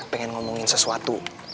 pengen ngomongin sesuatu